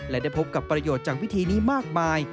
และได้พบกับประโยชน์จากวิธีนี้มากมาย